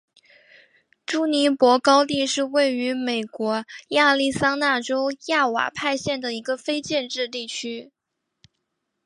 朱尼珀高地是位于美国亚利桑那州亚瓦派县的一个非建制地区。